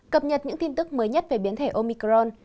cập nhật những tin tức mới nhất về biến thể omicron